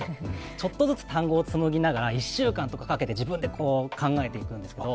ちょっとずつ単語をつむぎながら、１週間とかかけて自分で考えていくんですけど。